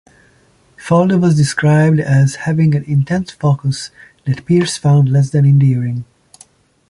Faldo was described as having an intense focus that peers found less than endearing.